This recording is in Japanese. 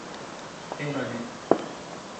メガネ